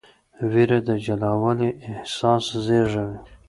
ویره د جلاوالي احساس زېږوي.